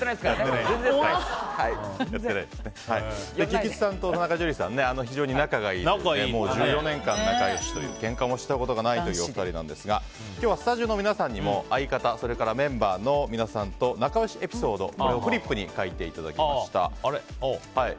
菊池さんと田中樹さんは非常に仲が良い１４年間仲良しというけんかもしたことがないというお二人なんですが今日はスタジオの皆さんにも相方、メンバーの皆さんとの仲良しエピソードをフリップに書いていただきました。